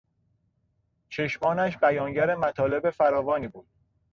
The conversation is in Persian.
چشمانش بیانگر مطالب فراوانی بود.